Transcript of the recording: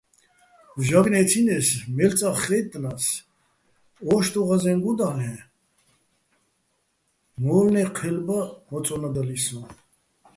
ჟაგნო̆ ე́ცინეს, მელ'წა́ხ ხაჲტტნა́ს, ო́შტუჼ ღაზეჼ გუდა́ლ'ე, მუჲლნე́ჴელბა მოწო́ნადალირ სოჼ.